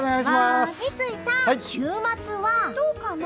三井さん、週末はどうかな？